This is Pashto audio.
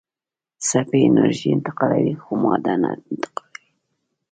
څپې انرژي انتقالوي خو ماده نه انتقالوي.